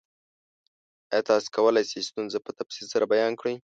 ایا تاسو کولی شئ ستونزه په تفصیل سره بیان کړئ؟